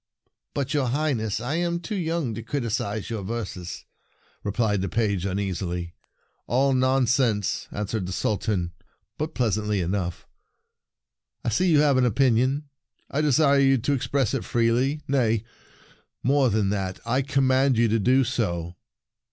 "But, your Highness, I am too young to criticize your verses," replied the page un easily. "All nonsense," answered the Sultan, but pleasantly enough. " I see you have an opinion. I desire you to ex press it freely. Nay, more than that, I command you to do so."